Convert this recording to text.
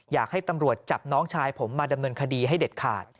อยากให้ตำรวจจับน้องชายผมมาดำเนินคดีให้เด็ดขาด